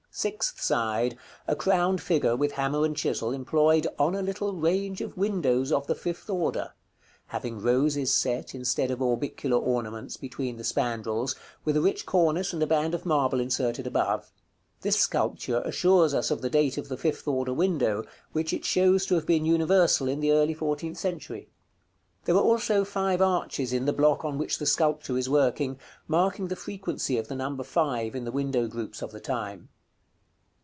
Sixth side. A crowned figure, with hammer and chisel, employed on a little range of windows of the fifth order, having roses set, instead of orbicular ornaments, between the spandrils, with a rich cornice, and a band of marble inserted above. This sculpture assures us of the date of the fifth order window, which it shows to have been universal in the early fourteenth century. There are also five arches in the block on which the sculptor is working, marking the frequency of the number five in the window groups of the time.